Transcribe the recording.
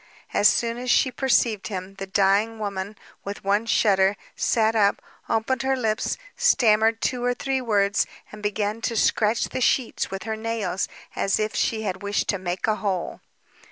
As soon as she perceived him, the dying woman, with one shudder, sat up, opened her lips, stammered two or three words, and began to scratch the sheets with her nails as if she had wished to make a hole.